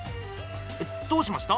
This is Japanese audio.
どうしました？